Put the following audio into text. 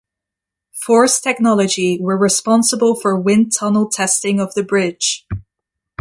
Force Technology were responsible for wind tunnel testing of the bridge.